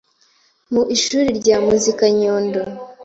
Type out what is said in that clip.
mu ishuri rya muzika rya Nyundo